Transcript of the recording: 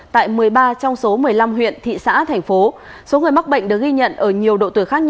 tại một mươi ba trong số một mươi năm huyện thị xã thành phố